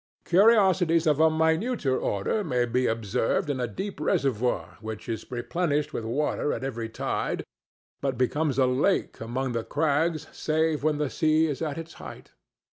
Curiosities of a minuter order may be observed in a deep reservoir which is replenished with water at every tide, but becomes a lake among the crags save when the sea is at its height.